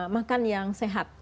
makan yang sehat